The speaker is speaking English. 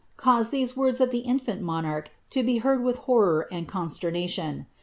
caused ihese words of the infant monarch to be heard with horror and consiernation.